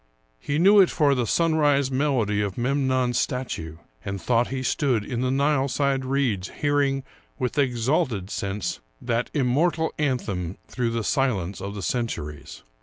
He knew it for the sunrise melody of Memnon's statue, and thought he stood in the Nileside reeds, hearing, with exalted sense, that immortal anthem through the silence of the cen turies.